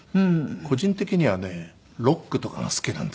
個人的にはねロックとかが好きなんですよ。